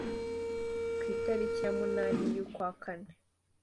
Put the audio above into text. ku itariki ya munani y'ukwa kane